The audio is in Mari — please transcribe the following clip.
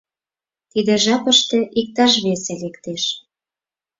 Тиде жапыште иктаж весе лектеш.